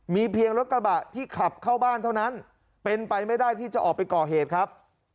มีเพียงรถกระบะที่ขับเข้าบ้านเท่านั้นเป็นไปไม่ได้ที่จะออกไปก่อเหตุครับ